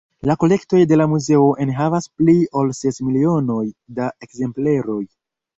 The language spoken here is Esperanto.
La kolektoj de la Muzeo enhavas pli ol ses milionoj da ekzempleroj.